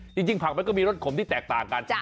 จริงผักมันก็มีรสขมที่แตกต่างกัน